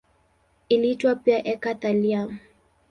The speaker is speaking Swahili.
Iliitwa pia eka-thallium.